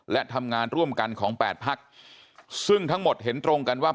และทำงานร่วมกันของแปดพักซึ่งทั้งหมดเห็นตรงกันว่า